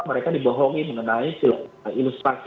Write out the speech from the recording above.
mereka dibohongi mengenai ilustrasi